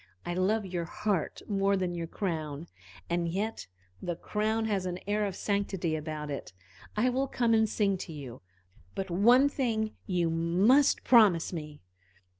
I love your heart more than your crown, and yet the crown has an air of sanctity about it. I will come and sing to you but one thing you must promise me."